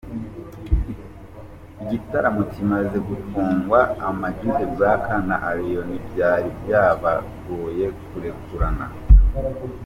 Igitaramo kimaze gufungwa, Am G The Black na Allioni byari byabagoye kurekurana.